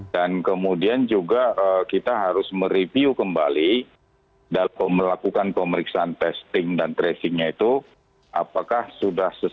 dan kemudian juga kita harus mereview kembali dalam melakukan pemeriksaan testing dan tracing nya itu